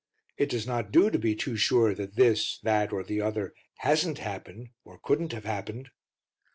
It does not do to be too sure that this, that, or the other hasn't happened and couldn't have happened.